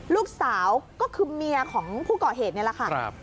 ลูกสาวก็คือเมียของผู้ก่อเหตุนี่แหละค่ะ